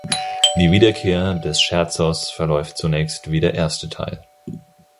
Die Wiederkehr des Scherzos verläuft zunächst wie der erste Teil.